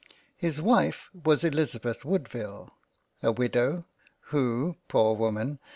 His Wife was Elizabeth Woodville, a Widow who, poor Woman